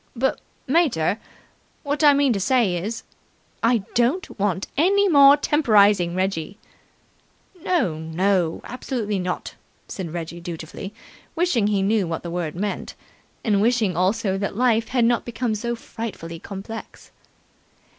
"But, mater, what I mean to say is " "I don't want any more temporizing, Reggie!" "No, no! Absolutely not!" said Reggie dutifully, wishing he knew what the word meant, and wishing also that life had not become so frightfully complex.